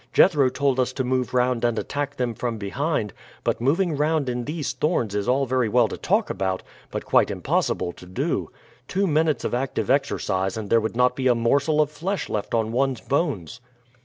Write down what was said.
Jethro told us to move round and attack them from behind; but moving round in these thorns is all very well to talk about, but quite impossible to do. Two minutes of active exercise and there would not be a morsel of flesh left on one's bones."